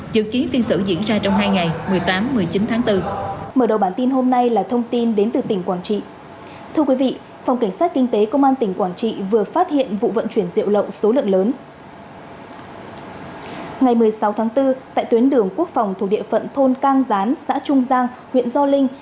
dự kiến phiên xử diễn ra trong hai ngày một mươi tám một mươi chín tháng bốn